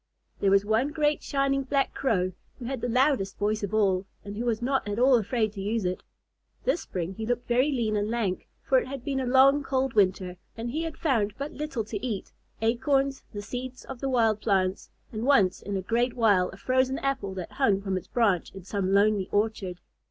There was one great shining black Crow who had the loudest voice of all, and who was not at all afraid to use it. This spring he looked very lean and lank, for it had been a long, cold winter, and he had found but little to eat, acorns, the seeds of the wild plants, and once in a great while a frozen apple that hung from its branch in some lonely orchard.